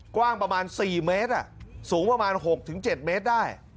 กว้างประมาณ๔เมตรสูงประมาณ๖๗เมตรได้